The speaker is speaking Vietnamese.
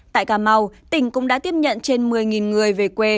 tại cà mau tỉnh cũng đã tiếp nhận trên một mươi người về quê